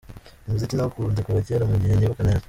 Umuziki nawukunze kuva kera mu gihe ntibuka neza.